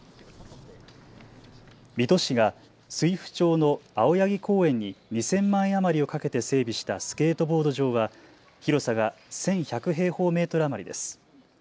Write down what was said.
水戸市が水府町の青柳公園に２０００万円余りをかけて整備したスケートボード場は広さが１１００平方メートル余りです。